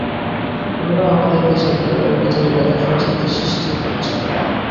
এভাবে আমাদের দেশে একধরনের বিচারহীনতার সংস্কৃতি সৃষ্টি হচ্ছে।